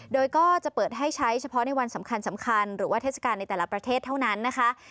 โดยก็จะเปิดให้ใช้เฉพาะในวันสำคัญหรือว่าเทศกาลในแต่ละประเทศเท่านั้นนะคะ